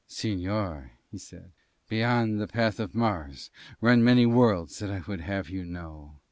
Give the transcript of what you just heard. "Señor," he said, "beyond the path of Mars run many worlds that I would have you know.